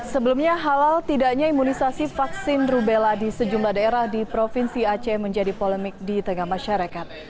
sebelumnya halal tidaknya imunisasi vaksin rubella di sejumlah daerah di provinsi aceh menjadi polemik di tengah masyarakat